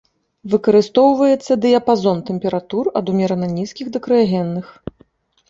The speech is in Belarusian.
Выкарыстоўваюцца дыяпазон тэмператур ад умерана нізкіх да крыягенных.